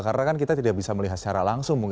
karena kita tidak bisa melihat secara langsung